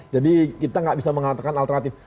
jadi kita gak bisa mengatakan alternatif